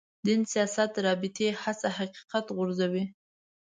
دین سیاست رابطې هڅه حقیقت غورځوي.